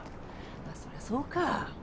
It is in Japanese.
まあそりゃそうか。